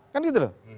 kan gitu loh